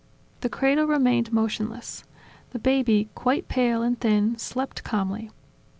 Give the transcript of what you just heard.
The cradle remained motionless: the baby, quite pale, and thin, slept calmly.